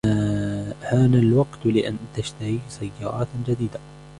حان الوقت لأن تشتري سيارة جديدة.